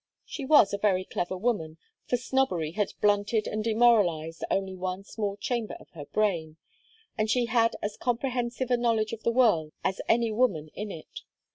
She was a very clever woman, for snobbery had blunted and demoralized only one small chamber of her brain, and she had as comprehensive a knowledge of the world as any woman in it.